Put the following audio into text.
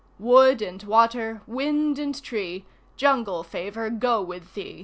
Wood and Water, Wind and Tree, Jungle Favour go with thee!